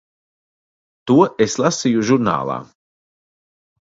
To es lasīju žurnālā.